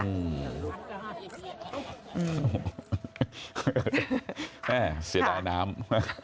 แม่เสียดายน้ำ